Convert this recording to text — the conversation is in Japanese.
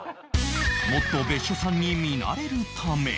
もっと別所さんに見慣れるため